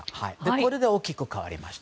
これで大きく変わりました。